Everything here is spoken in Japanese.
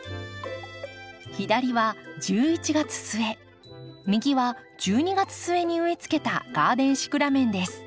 左は１１月末右は１２月末に植えつけたガーデンシクラメンです。